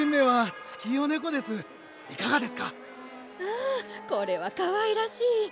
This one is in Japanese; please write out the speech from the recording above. ああこれはかわいらしい！